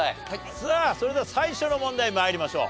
さあそれでは最初の問題参りましょう。